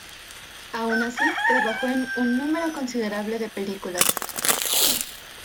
Aun así, trabajó en un número considerable de películas.